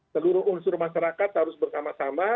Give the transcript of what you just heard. seluruh unsur masyarakat harus bersama sama